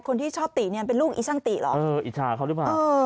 คนที่ชอบตีเนี้ยเป็นลูกอีช่างตีเหรอเอออิจฉาเขาด้วยมากเออ